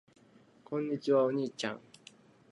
こんにちは。お兄ちゃん。